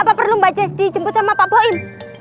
apa perlu mbak jes dijemput sama pak boim